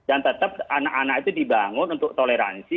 anak itu dibangun untuk toleransi